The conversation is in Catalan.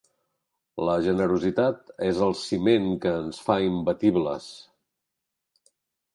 La generositat és el ciment que ens fa imbatibles.